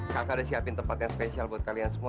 kakak udah siapin tempat yang spesial buat kalian semua